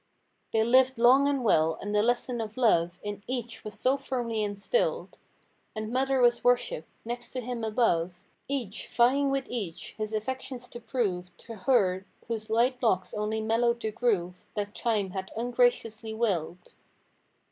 They lived long and well and the lesson of love, In each was so firmly instilled. And mother was worshipped—next to Him above, Each, vieing with each, his affections to prove To her, whose white locks only mellowed the groove That Time had ungraciously willed.